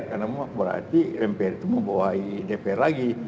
karena berarti mpr itu membawahi dpr lagi